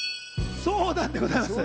そうなんでございます。